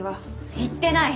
行ってない！